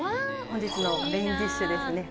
本日のメインディッシュですね。